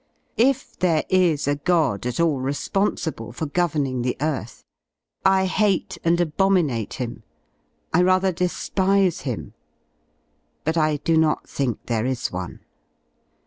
If there is a God at T all responsible for governing the earth, I hate and abominate '^' 35 Him — I rather despise Him. But I do not think there is L one.